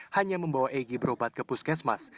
hanya membawa egy berobat ke puskesmas